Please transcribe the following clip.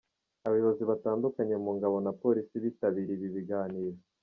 Abayobozi batandukanye mu ngabo na polisi bitabiriye ibi biganiro.